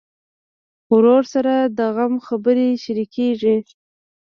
ورور سره د غم خبرې شريکېږي.